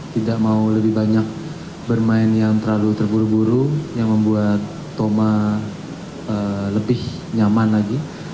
tidak mau lebih banyak bermain yang terlalu terburu buru yang membuat thoma lebih nyaman lagi